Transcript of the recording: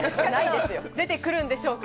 出てくるんでしょうか？